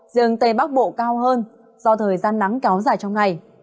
riêng tây bắc bộ cao hơn do thời gian nắng kéo dài trong ngày